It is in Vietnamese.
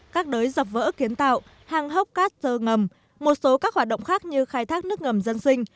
các đới dập vỡ kiến tạo hàng hốc cát dơ ngầm một số các hoạt động khác như khai thác nước ngầm dân sinh